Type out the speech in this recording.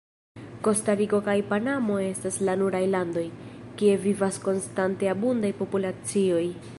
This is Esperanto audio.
Kostariko kaj Panamo estas la nuraj landoj, kie vivas konstante abundaj populacioj.